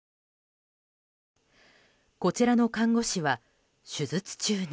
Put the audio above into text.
こちらの看護師は、手術中に。